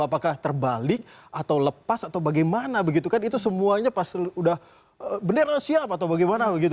apakah terbalik atau lepas atau bagaimana begitu kan itu semuanya pasti udah bener siap atau bagaimana begitu